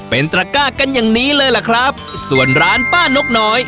เป็นตระก้ากันอย่างนี้เลยล่ะครับส่วนร้านป้านกน้อย